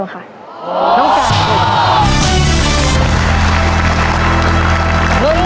น้องการคุณครับ